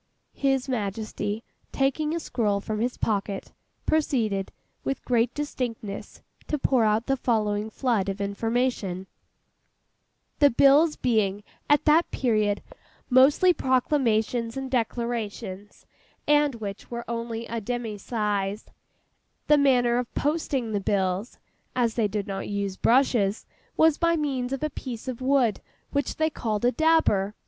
His Majesty, taking a scroll from his pocket, proceeded, with great distinctness, to pour out the following flood of information:— '"The bills being at that period mostly proclamations and declarations, and which were only a demy size, the manner of posting the bills (as they did not use brushes) was by means of a piece of wood which they called a 'dabber.